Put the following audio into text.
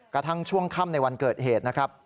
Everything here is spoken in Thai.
กระทั่งช่วงค่ำในวันเกิดเหตุนะครับ